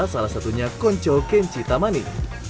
salah satunya konco kenchi tamani